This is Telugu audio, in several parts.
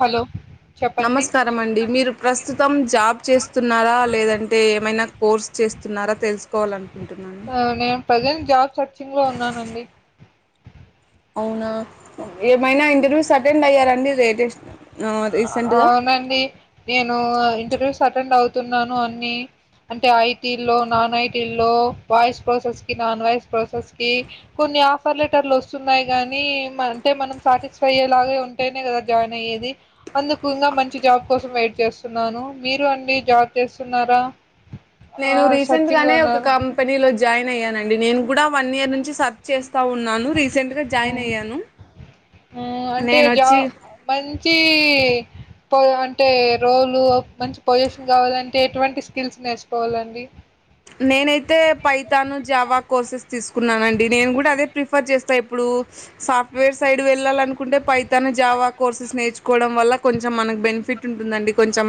హలో చెప్పండి నమస్కారం అండి మీరు ప్రస్తుతం జాబ్ చేస్తున్నారా లేదంటే ఏమైనా కోర్స్ చేస్తు న్నారా తెలుసుకోవాలను ఆ.. నేను ప్రజెంట్ జాబ్ సర్చింగ్ లో ఉన్నానండి అవునా ఏమైనా ఇంటర్వ్యూస్ అటెండ్ అయ్యారండి లేటెస్టు ఆ... అవునండి నేను ఇంటర్వ్యూస్ అటెండ్ అవుతున్నాను అన్నీ అంటే ఐటీ ల్లో నాన్ ఐటీ ల్లొ వాయిస్ ప్రోసెస్ కి నాన్ వాయిస్ ప్రాసెస్ కి కొన్ని ఆఫర్ లెటర్లు వస్తున్నాయి గానీ అంటే మనం సాటిస్ఫై అయ్యెలాగ ఉంటేనే కదా జాయిన్ అయ్యేది అందుకు ఇంగా మంచి జాబ్ కోసం వెయిట్ చేస్తున్నాను మీరు అండి జాబ్ చేస్తున్నారా నేను రీసెంట్ సర్చింగ్ లో గానే ఒక ఉన్నారా కంపెనీలో జాయిన్ అయ్యానండి నేను కూడా వన్ ఇయర్ నుంచి సర్చ్ చేస్తా ఉన్నాను రీ మ్ మ్... అంటే నేను జా వచ్చి మంచీ పో అంటే రోలు మంచి పొజిషన్ కావాలంటే ఎటువంటి స్కిల్స్ నేర్చుకోవాలండి నేనైతే పైథాను జావా కోర్సెస్ తీసుకున్నానండి నేను కూడా అదే ప్రిఫర్ చేస్తా ఎప్పుడు సాఫ్ట్వేర్ సైడ్ వెళ్లాలనుకుంటె పైథాన్ జావా కోర్సెస్ నేర్చు కోవడం వల్ల కొంచెం మనకు బెనిఫిట్ ఉంటుందండి కొంచెం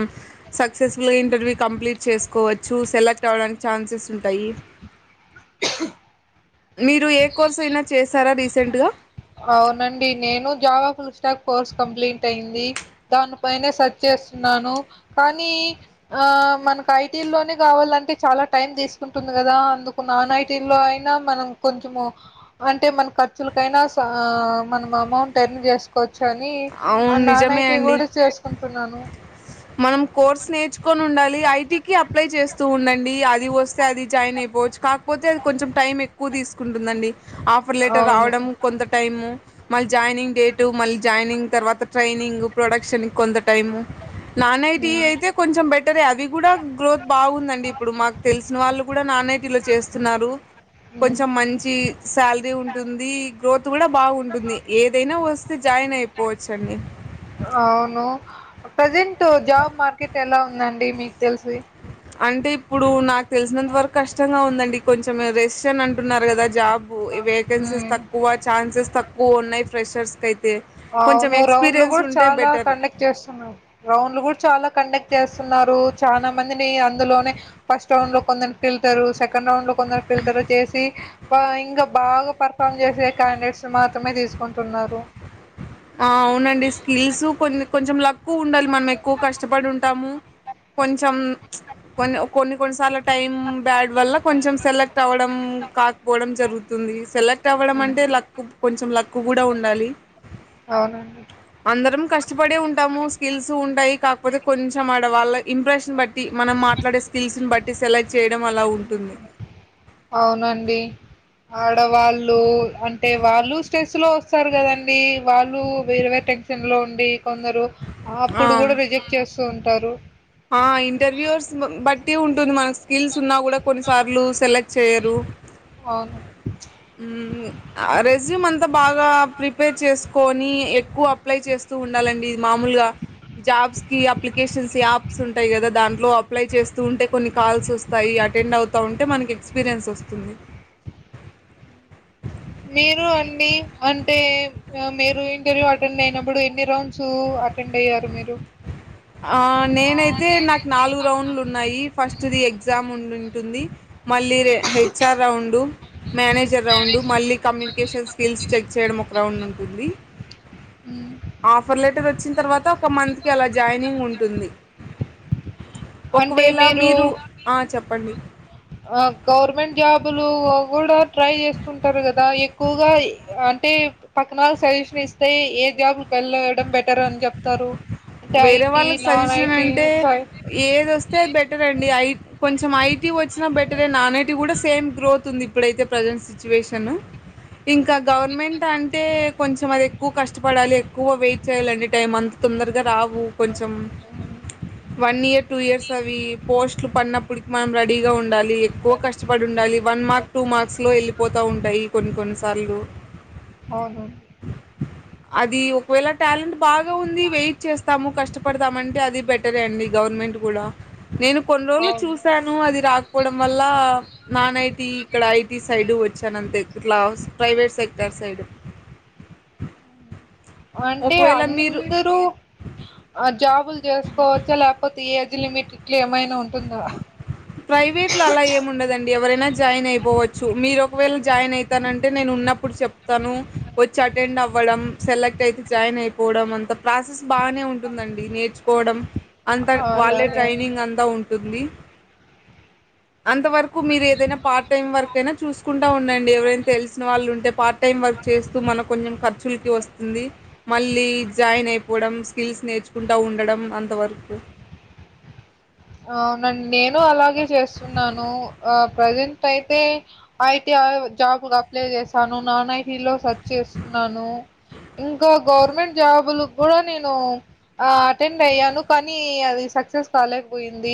సక్సెస్ఫుల్గా ఇంటర్వ్యూ కంప్లీట్ చేసుకోవ చ్చు సెలెక్ట్ అవడానికి ఛాన్సెస్ ఉంటాయి మీరు ఏ కోర్స్ అయినా చేశారా రీసెంట్గా అవునండి నేను జావా స్టాక్ కోర్స్ కంప్లీట్ అయింది దానిపైనే సర్చ్ చేస్తున్నాను కానీ ఆ మనకు ఐటీ ల్లొనే కావాలంటే చాలా టైం తీసుకుంటుంది కదా అందుకు నాన్ ఐటీ ల్లొ ఆ.. మనం కొంచెం అంటే మన ఖర్చులకైనా మనం అమౌంట్ ఎర్న్ చేసుకోవచ్చు అని ఆ అవును నాన్ నిజమే ఐటీ అండి కూడా చేసుకుంటున్నాను మనం కోర్స్ నేర్చుకొని ఉండాలి ఐటీకి అప్లై చేస్తూ ఉండండి అది వస్తే అది జాయిన్ అయిపోవచ్చు కాకపోతే అది కొంచెం టైం ఎక్కువ తీసుకుంటుందండి ఆఫర్ లెటర్ అవును రావడం కొంత టైము మళ్ళీ జాయినింగ్ డేటు మళ్ళీ జాయినింగ్ తర్వాత ట్రైనింగ్ ప్రొడక్షన్ కి కొంత టైము నాన్ ఐటీ మ్మ్ అయితే కొంచెం బెటరే అవి కూడా గ్రోత్ బావుందండి ఇప్పుడు మాకు తెలిసిన వాళ్ళు నాన్ ఐటీ లో చేస్తున్నారు హ్మ్. కొంచెం మంచీ శాలరీ ఉంటుంది గ్రోత్ కూడా బావుంటుంది ఏదైనా వస్తే జాయిన్ అయిపోవచ్చ అండి అవును ప్రజెంట్ జాబ్ మార్కెట్ ఎలా ఉందండి మీకు తెలిసి అంటే ఇప్పుడు నాకు తెలిసినంత వరకు కష్టంగా ఉందండి కొంచెం రెస్ షన్ అంటే న్నారు కదా జాబ్ు వేకెన్సీస్ హ్మ్. తక్కువ ఛాన్సెస్ తక్కువ ఉన్నాయి ఫ్రెషర్స్ క అయి అవును రౌండ్ లు కూడా చాలా బెటర్. కండక్ట్ చేస్తున్నా రౌండ్ లు కూడా చాలా కండక్ట్ చేస్తున్నారు చాలా మందిని అందులోనే ఫస్ట్ రౌండ్ లో కొందరిని ఫిల్టరు సెకెం రౌండ్ లో కొందరు ఫిల్టర్ చేసి ఆ... ఇంకా బాగా పెర్ఫామ్ చేసే క్యాండేట్స్ మాత్రమే తీసుకుంటున్నారు ఆ! ఎక్కువ ఉండాలి మనం ఎక్కువ కష్టపడి ఉంటాము కొంచెం కొన్ని కొన్ని కొన్నిసార్ టైం బ్యాడ్ వల్ల కొంచెం సెలెక్ట్ అవ్వడం కాకపోవడం జరుగుతుంది సెలెక్ట్ అవ్వడం హ్మ్. అంటే లక్ కొంచెం లక్ కూడా ఉండాలి అవునండి అందరం కష్టపడే ఉంటాము స్కిల్స్ ఉంటాయి కాకపోతే కొంచెం ఆడ వాళ్ళ ఇంప్రెషన్ బట్టి మనం మా మాట్లాడే స్కిల్స్ బట్టి సెలక్ట్ చేయడం అలా ఉంటు అవునండి ఆడవాళ్ళు అంటే వాళ్ళూ స్ట్రెస్ లో వస్తారు కదండి వాళ్ళూ వేరు వేర టెం డ్ లో ఉండి కొందరు ఆ అప్పుడు కూడా రిజెక్ట్ చేస్తూ ఉంటారు ఆ ఇంటర్వ్యూస్ బట్టి ఉంటుంది మన స్కిల్స్ ఉన్నా కూడా కొన్నిసార్లు సెలెక్ట్ వేరూ అవును హ్మ్ రెజ్యూమ్ అంతా బాగా ప్రిపేర్ చేసుకొని ఎక్కువ అప్లై చేస్తూ ఉండాలండి ఇది మామూలుగా జాబ్స్ కి అప్లికేషన్స్ యాప్స్ ఉంటాయి కదా దాంట్లో అప్లై చేస్తూ ఉంటే కొన్ని కాల్స్ వస్తాయి అటెండ్ అవుతూ ఉంటే మనకి ఎక్స్పీరియన్స్ వస్తుంది మీరు అండి అంటే మీరు ఇంటర్వ్యూ అటెండ్ అయినప్పుడు ఎన్ని రౌండ్స్ అటెండ్ అయ్యారు మీరు ఆ నేనైతే నాకు నాలుగు రౌండ్లు ఉన్నాయి ఫస్ట్ ది ఎగ్జామ్ ఉం ఉండింటుంది మళ్ళీ రే హెచ్ఆర్ రౌండు మేనేజర్ రౌండు మళ్ళీ కమ్యూనికేషన్ స్కిల్స్ చెక్ చేయడం ఒక రౌండ్ ఉంటుంది మ్మ్. ఆఫర్ లెటర్ వచ్చిన తర్వాత ఒక మంత్ కి అలా జాయినింగ్ ఉంటుంది ఒకవేళ మీరు ఆ చెప్పండి ఆ గవర్నమెంట్ జాబులు కూడా ట్రై చేస్తుంటారు కదా ఎక్కువగా అం టే పక్కన వాళ్ళ సజెసషన్ ఇస్తే ఏ జాబ్లు వెళ్ళడం బెటర్ అని చెప్తారు వేరే వాళ్ళకి సజెషన్ అంటే సై ఏదోస్తే అది బెటర్ అండి ఐ కొంచ్ కొంచం ఐటీ వచ్చినా బెటరే నాన్ ఐటీ కూడా సేమ్ గ్రోత్ ఉంది ఇప్పుడైతే ప్రజెంట్ సిచ్యువేషను ఇంకా గవర్నమెంట్ అంటే కొంచం అది ఎక్కువ కష్టపడాలి ఎక్కువ వెయిట్ చేయాల అంటే టైం అంత తొందర గా రావు కొంచం హ్మ్. వన్ ఇయర్ టూ ఇయర్స్ అవి పోస్ట్లు పన్న అప్పుడికి మనం రెడీగా ఉండాలి ఎక్కువ కష్టపడి ఉండాలి వన్ మార్క్ టూ మార్క్స్ లో వెళ్ళిపో తా ఉంటాయి కొన్ని కొన్నిసార్లు అవును అది ఒకవేళ టాలెంట్ బాగా ఉంది వెయిట్ చేస్తాము కష్టపడతామంటే అది బెటరే అండి గవర్నమెంట్ కూడా నేను కొన్ని రోజులు అవును. చూసాను అది రాకపోవడం వల్ల నాన్ ఐటి ఇక్కడ ఐటీ సైడ్ వచ్చాను అంతే ఇట్లా ప్రైవేట్ సెక్టర్ సైడ్ అవు అంటే ఒకవేళ మీరు అందరూ ఆ జాబులు చేసుకోవచ్చా లేకపోతే ఏజ్ లిమిట్ ఇట్ల ఏమైనా ఉంటుం ప్రైవేట్ లో అలా ఏము ఉండదండి ఎవరైనా జాయిన్ అయిపోవచ్చు మీరు ఒకవేళ జాయిన్ అయితానంటే నేను ఉన్నప్పుడు చెప్తాను వచ్చి అటెండ్ అవ్వడం సెలెక్ట్ అయితే జాయిన్ అయిపో పోడం అంత ప్రాసెస్ బానే ఉంటుందండి నేర్చుకోవడం అంతా వాళ్ళే అలాగా ట్రైనింగ్ అంతా ఉంటుంది అంతవరకు మీరు ఏదైనా పార్ట్ టైమ్ వరక్ అయినా చూసుకుంటా ఉండండి ఎవరైనా తెలిసిన వాళ్ళు ఉంటే పార్ట్ టైం వర్క్ చేస్తూ మన కొంచం ఖర్చులకి వస్తుంది మళ్ళీ జాయిన్ అయిపోవడం స్కిల్స్ నేర్చుకుంటూ ఉండడం అంతవరకు అవునండి నేను అలాగే చేస్తున్నాను ఆ ప్రేజెంట్ అయితే ఐటీ జాబ్ అప్లై చేశాను నాన్ ఐటీ లో స చేస్తున్నాను ఇంకా గవర్నమెంట్ జాబులు కూడా నేను ఆ అటెండ్ అయ్యాను కానీ అది సక్సెస్ కాలే పోయింది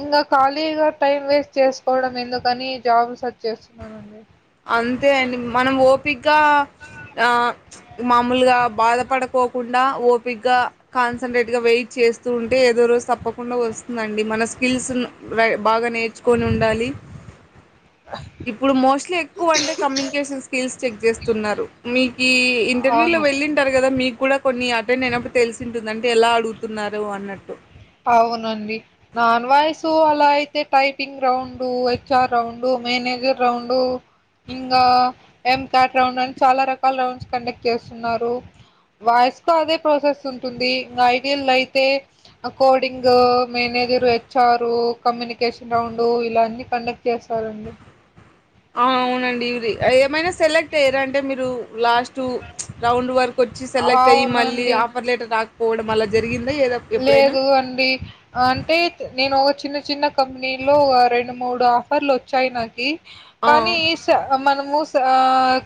ఇంగా ఖాళీగా టైం వేస్ట్ చేసుకోవడం ఎందుకని జాబ్ సెర్చ్ చేస్తున్నానండి అంతే అండి మనం ఓపిగా మామలుగా బాధపడకోకుండా ఓ ఓపిగా కాన్సన్ంట్రేట్ గా వెయిట్ చేస్తూ ఉంటే ఏదో రోజు తప్పకుండా వస్తుందండి మన స్కిల్స్ ను రయ్ బాగా నేర్చుకొని ఉండాలి ఇప్పుడు మోస్ట్లీ ఉ అంటే కమ్యూనికేషన్ స్కిల్స్ చెక్ చేస్తున్నారు మీకి ఇంటర్వ్యూ లో అవును వెళ్లింటారు గా కదా మీకు కూడా కొన్ని అటెండ్ అయినప్పుడు తెలిసి ఉంటుందంటే ఎలా అడుగుతున్నారు అన్నట్టు అవునండి నాన్ వాయిసు అలా అయితే typing round HR round మేనే [unintelligible] round ఇంకా ఏం క్యాట్ రౌండ్ అని చాలా రకాల రౌండ్స్ కండక్ట్ చేస్తున్నారు వాయిస్ కు అదే ప్రాసెస్ ఉంటుంది ఇంకా ఐడిల్ అయితే coding manager HR communication round ఇలాన్ని కండక్ట్ చేశా రండీ ఆ అవునండి ఇది ఏమైనా సెలెక్ట్ అయ్యారా అంటే మీరు లా స్టు రౌండ్ వరకు వచ్చి సెలెక్ట్ అయ్యి మళ్ళీ అవునండి ఆఫర్ లెటర్ రాకపోవడం అలా జరిగిందా ఏదో ఎప్పుడైనా లేదు అండి అంటే నేను ఒక చిన్న చిన్న కంపెనీలో ఒగ రెండు మూడు ఆఫర్లు వచ్చాయి నాకి ఆ కానీ ఈ స మనము స ఆ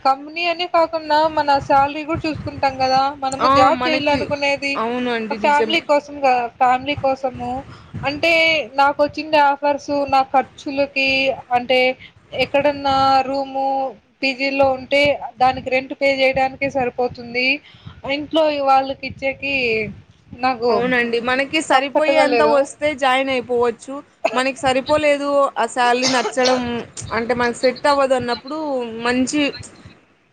కంపనీ అని కాకుండా మన శాలరీ కూడా చూసుకుంటాం కదా మనము ఆ జాబ్ చెయాల మనకి అనుకునేది అవును అండి ఫ్యామిలీ నిజమే కోసం ఫ్యామిలీ కోసము అంటే నాకు వచ్చిండే ఆఫర్స్ నా ఖర్చులకి అంటే ఎక్కడన్నా రూము పీజీ లో ఉంటే దానికి రెంట్ పే చేయడానికే సరిపోతుంది ఇంట్లో వాళ్లకి ఇచ్చెక్కి అవునండి మనకి సరిపోయేంత లేదు వస్తే జాయిన్ అయిపోవచ్చు మనకి సరిపోలేదు ఆ సాల్రీ నచ్చడం అంటే మనకు సెట్ అవ్వదున్నప్పుడు మంచి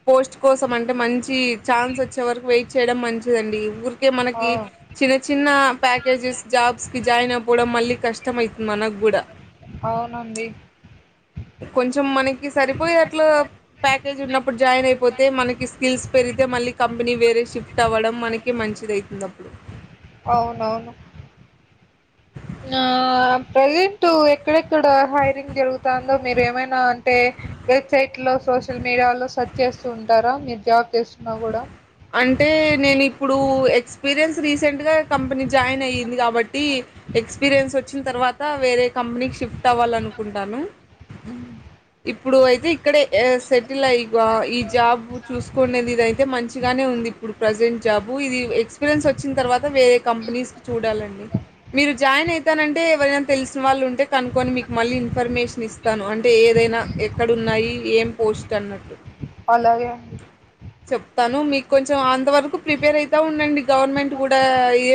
పోస్ట్ కోసం అంటే మంచి ఛాన్స్ వచ్చే వరకు వెయిట్ చేయడం మంచిదండి ఊర్ కే ఆ! మనకి చిన్న చిన్న ప్యాకేజెస్ జాబ్స్‌కి జాయిన్ అయిపోవడం మళ్ళీ కష్టం అయితుంది మనక్కూడా అవునండి కొంచెం మనకి సరిపోయేట్లా ప్యాకేజ్ ఉన్నప్పుడు జాయిన్ అయిపోతే మనకి స్కిల్స్ పెరిగి తే మళ్ళీ కంపెనీ వేరే షిఫ్ట్ అవ్వడం మనకి మంచిదయితుంది అప్పుడు అవునవును ఆ ప్రజెంట్ ఎక్కడెక్కడ హైరింగ్ జరుగుతాందో మీరు ఏమైనా అంటే వెబ్సైట్లో సోషల్ మీడియాలో సెర్చ్ చేస్తూ ఉంటారా మీరు జాబ్ చేస్తున్నా కూడా అంటే నేను ఇప్పుడు ఎక్స్పీరియన్స్ రీసెంట్గా కంపెనీ జాయిన్ అయ్యింది కాబట్టి ఎక్స్పీరియన్స్ వచ్చిన తర్వాత వేరే కంపెనీకి షిఫ్ట్ అవ్వాలనుకుంటాను హ్మ్ ఇప్పుడు అయితే ఇక్కడే సెటిల్ అయి ఈ జాబ్ చూసుకునేది ఇదైతే మంచి గానే ఉంది ఇప్పుడు ప్రజెంట్ జాబు ఇది ఎక్స్పీరియన్స్ వచ్చిన తర్వాత వేరే కంపెనీస్కి చూడాలండి మీరు జాయిన్ అయితానంటే ఎవరైనా తెలిసిన వాళ్ళు ఉంటే కనుకొని మీకు మళ్ళీ ఇన్ఫర్మేషన్ ఇస్తాను అంటే ఏ దైనా ఎక్కడున్నాయి ఏం పోస్ట్ అన్నట్టు అలాగే తాను మీకు కొంచెం అంతవరకు ప్రిపేర్ అయితా ఉండండి గవర్నమెంట్ కూడా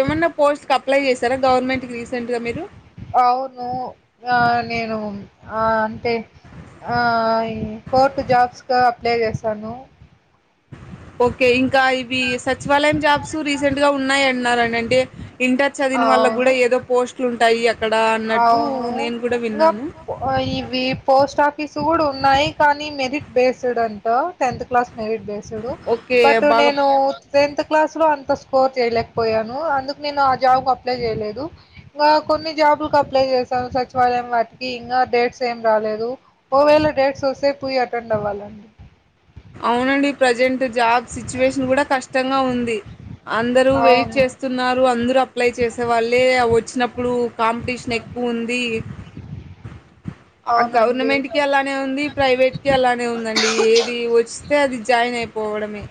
ఏమన్నా పోస్ట్‌కి అప్లై చేస్త సారా గవర్నమెంట్‌కి రీసెంట్గా మీరు అవును ఇంగ నేను ఆ అంటే ఆ ఇ కోర్టు జాబ్స్‌కా అప్లై చేశాను ఓకే ఇంకా ఇవి సచివాలయం జాబ్స్ రీసెంట్ గా ఉన్నాయి అంటున్నారండి అంటే ఇంటర్ చదివిన వాళ్ళ అవును కూడా ఏదో పోస్ట్లు ఉంటాయి అక్కడ అన్నట్టు అవును నేను కూడా ఇంకా విన్నాను ఇవి పోస్ట్ ఆఫీసు కూడా ఉన్నాయి కానీ నీ మెరిట్ బేస్డ్ అంట tenth class merit based okay but బాగా నేను టెన్త్ క్లాస్ లో అంత స్కోర్ చేయలేకపోయాను అందుకు నేను ఆ జాబ్‌కి అప్లై చేయలేదు ఇంకా కొన్ని జాబ్లకు అప్లై చేశాను సచివాలయం వాటికి ఇంకా డేట్స్ ఏం రాలేదు ఓవేళ డేట్స్ వస్తే పూయి అటెండ్ అవ్వాలండి అవునండి ప్రజెంట్ జాబ్ సిచ్యువేషన్ కూడా కష్టంగా ఉంది అందరుూ వెయిట్ అవును చేస్తున్నారు అందరు అప్లై చేస్త అవళ్ళే వచ్చినప్పుడు కాంపిటీషన్ ఎక్కువుంది అవునండి గవర్నమెంట్‌కి అలానే ఉంది ప్రైవేట్‌కి అలానే ఉందండి ఏది వ వస్తే అది జాయిన్ అయిపోవడమే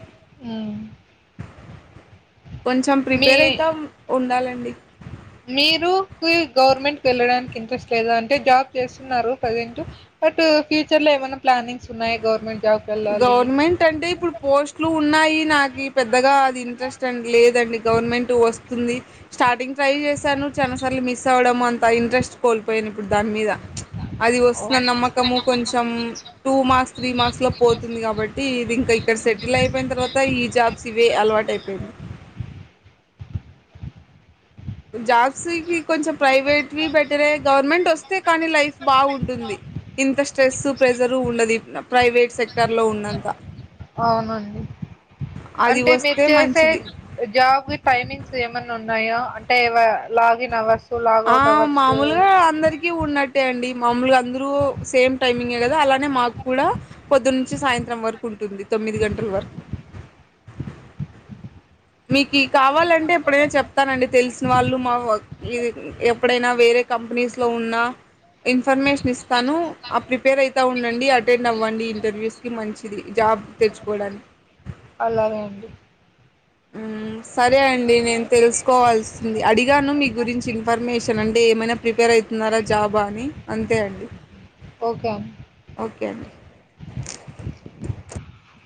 హ్మ్ కొంచెం మీ ప్రిపేర్ అయితా ఉండాలండి మీరు కీ గవర్నమెంట్‌కి వెళ్ళడానికి ఇంట్రెస్ట్ లేదా అంటే జాబ్ చేస్తున్నారు ప్రజెంట్ బటూ ఫ్యూచర్లో ఏమైనా ప్లానింగ్స్ ఉన్నాయా గవరమెంట్ గవర్నమెంట్ అంటే ఇప్పుడు పోస్ట్లు ఉన్నాయి నాకి పెద్దగా అది ఇంట్రెస్ట్ లేదండి గవర్నమెంట్ వస్తుంది స్టార్టింగ్ ట్రై చేశాను చాలా సార్లు మిస్ అవ్వడం అంత ఇంట్రెస్ట్ కోల్పోయాయిను ఇప్పుడు దాని మీద అ వ ఓహ్! న కొూ పోతుంది కాబట్టి ఇది ఇంకా ఇక్కడ సెటిల్ అయిపోయిన తర్వాత ఈ జాబ్స్ వే అలవాటు అయిపోయింది జాబ్స్ కి కొంచెం ప్రైవేట్వి బెటరే గవర్నమెంట్ వస్తే కానీ లైఫ్ బాగుంటుంది ఇంత స్ట్రెస్సు ప్రెజరు ఉండదు ప్రైవేట్ సెక్టర్లో ఉన్నంత అవునండి అది అంటే మీరు వస్తే చేసే మంచిది జాబ్ టైమింగ్స్ ఏమన్నా ఉ ఉన్నాయో అంటే లాగిన్ అవస్ ఆ మామూలుగా అందరికి ఉన్నట్టే అండి మామూలుగా అందరుూ సేమ్ టైమింగ్ే కదా అలానే మాకు కూడా పొద్దును నుంచి సాయంత్రం వరకు ఉంటుంది తొమ్మిది గఘంటలు వర మీకు కావాలంటే ఎప్పుడైనా చెప్తానండి తెలిసిన వాళ్ళు మా ఎప్పుడైనా వేరే కంపెనీస్ లో ఉన్నా ఇన్ఫర్మేషన్ ఇస్తాను ఆ ప్రిపేర్ అయితా ఉండండి అటెండ్ అవ్వండి ఇంటర్వ్యూస్ కి మంచిది బ్ తెచ్చుకోవడానికి అలాగే అండి అ సరే అండి నేను తెలుసుకోవాల్సింది అడిగాను మీ గురించి ఇన్ఫర్మేషన్ అంటే ఏమైనా ప్రిపేర్ అవుతున్నారా జాబా అని అంతే అండి ఓకే అం కండడి